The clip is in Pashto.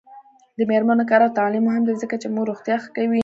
د میرمنو کار او تعلیم مهم دی ځکه چې مور روغتیا ښه کوي.